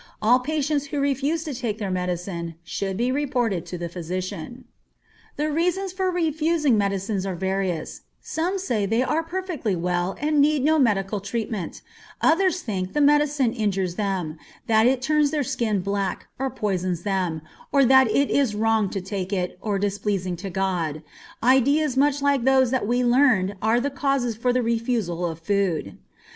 All patients who refuse to take their medicine should be reported to the physician. The reasons for refusing medicines are various; some say they are perfectly well and need no medical treatment, others think the medicine injures them, that it turns their skin black, or poisons them, or that it is wrong to take it, or displeasing to God; ideas much like those that we learned were the causes for the refusal of food.